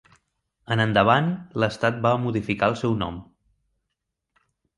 En endavant l'estat va modificar el seu nom.